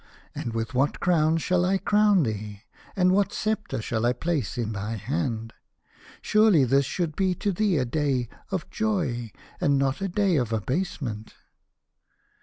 And with what crown shall I crown thee, and what sceptre shall I place in thy hand ? Surely this should be to thee a day of joy, and not a day of abasement."